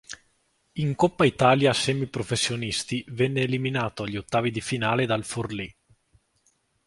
In Coppa Italia Semiprofessionisti venne eliminato agli ottavi di finale dal Forlì.